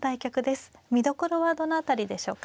見どころはどの辺りでしょうか。